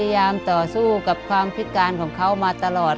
ต่อสู้กับความพิการของเขามาตลอด